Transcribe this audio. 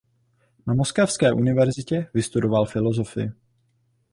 Na Moskevské univerzitě vystudoval filozofii.